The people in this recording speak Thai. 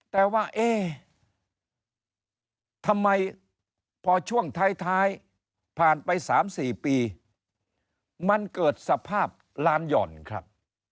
แต่ว่าเอ๊ทำไมพอช่วงท้ายผ่านไป๓๔ปีมันเกิดสภาพล้านหย่อนครับ